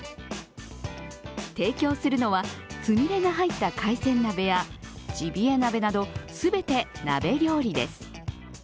提供するのはつみれが入った海鮮鍋やジビエ鍋など、全て鍋料理です。